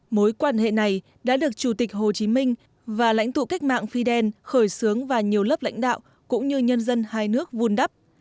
mối quan hệ này đã được chủ tịch hồ chí minh và lãnh tụ cách mạng fidel khởi xướng và nhiều lớp lãnh đạo cũng như nhân dân hai nước vun đắp